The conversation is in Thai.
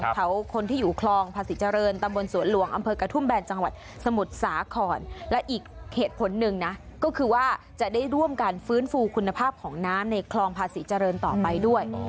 เขาคนที่อยู่คลองภาษีเจริญตำบลสวนหลวงอำเภอกระทุ่มแบนจังหวัดสมุทรสาครและอีกเหตุผลหนึ่งนะก็คือว่าจะได้ร่วมกันฟื้นฟูคุณภาพของน้ำในคลองภาษีเจริญต่อไปด้วย